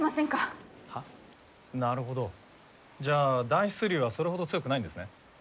なるほどじゃあ暖湿流はそれほど強くないんですね？